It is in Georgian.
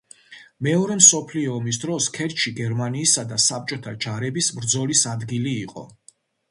მეორე მსოფლიო ომის დროს ქერჩი გერმანიისა და საბჭოთა ჯარების ბრძოლის ადგილი იყო.